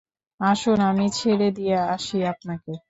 আসুন, আমি ছেড়ে দিয়ে আসি আপনাকে।